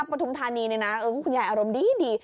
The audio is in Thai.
ปฐุมธานีเนี่ยนะคุณยายอารมณ์ดี